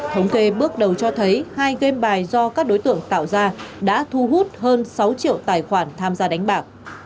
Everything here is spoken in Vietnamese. thống kê bước đầu cho thấy hai game bài do các đối tượng tạo ra đã thu hút hơn sáu triệu tài khoản tham gia đánh bạc